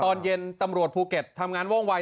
ตอนเย็นตำรวจภูเก็ตทำงานว่องวัย